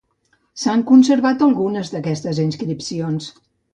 S'han conservat algunes d'aquestes inscripcions.